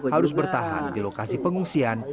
harus bertahan di lokasi pengungsian